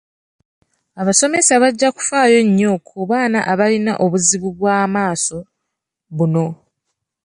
Abasomesa bajja kufaayo nnyo ku baana abalina obuzibu bw'amaaso buno.